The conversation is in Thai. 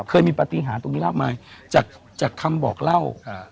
เคยมีปฏิหาตรงนี้แล้วไหมจากคำบอกเล่า